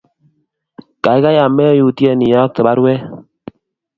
kaikai ameyutyen iyokte baruet